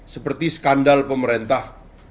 seperti skandal pemerintah